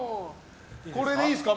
これでいいですか？